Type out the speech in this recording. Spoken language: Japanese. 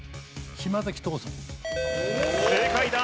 正解だ！